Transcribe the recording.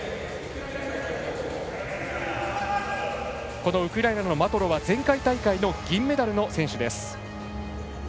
このウクライナのマトロは前回大会の銀メダルの選手です。